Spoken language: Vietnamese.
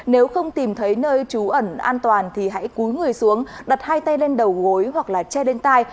nếu không tìm thấy nơi trú ẩn an toàn thì hãy cúi người xuống đặt hai tay lên đầu gối hoặc là che bên tay